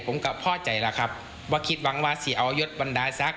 ผมก็พ่อใจล่ะครับว่าคิดหวังว่าสิเอายดบรรดาซัก